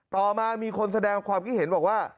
ต่อมามีคนแสดงว่า